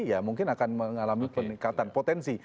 ya mungkin akan mengalami peningkatan potensi